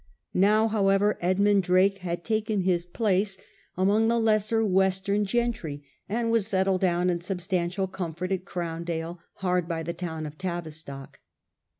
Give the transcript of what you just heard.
Now, however, Edmund Drake had taken his place among BORN INTO A FEUD the lesser western gentry, and was settled down in sub stantial comfort at Growndale, hard by the town of Tavistock.